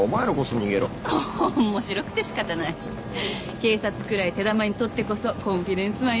警察くらい手玉に取ってこそコンフィデンスマンよ。